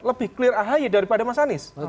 lebih clear ahy daripada mas anies